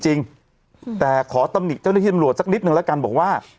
จริงแต่ขอตำหนิเจ้าหน้าที่ตำรวจสักนิดนึงแล้วกันบอกว่า